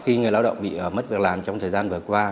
khi người lao động bị mất việc làm trong thời gian vừa qua